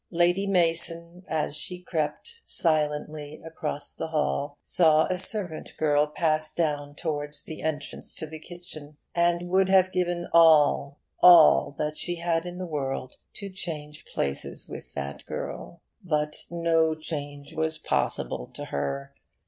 Lady Mason, as she crept silently across the hall, saw a servant girl pass down towards the entrance to the kitchen, and would have given all, all that she had in the world, to change places with that girl. But no change was possible to her.